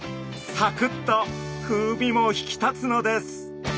サクッと風味も引き立つのです。